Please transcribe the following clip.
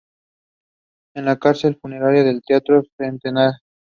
En la cárcel fundaría el Teatro del Sentenciado.